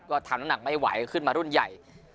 ก็ทำน้ำหนักไม่ไหวขึ้นมารุ่นใหญ่